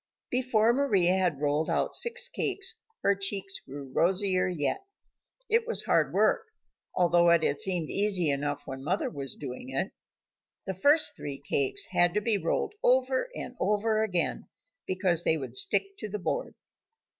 Before Mari had rolled out six cakes, her cheeks grew rosier yet. It was hard work, although it had seemed easy enough when mother was doing it. The first three cakes had to be rolled over and over again because they would stick to the board.